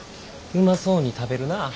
うまそうに食べるなぁ。